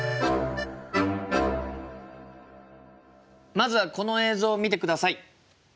まずはこの映像を見てください！